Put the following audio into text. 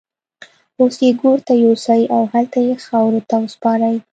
اوس يې ګور ته يوسئ او هلته يې خاورو ته وسپارئ.